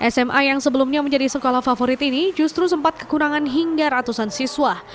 sma yang sebelumnya menjadi sekolah favorit ini justru sempat kekurangan hingga ratusan siswa